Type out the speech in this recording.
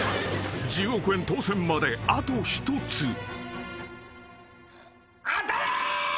［１０億円当せんまであと一つ］